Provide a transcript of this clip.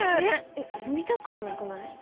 えっ住みたくはなくない？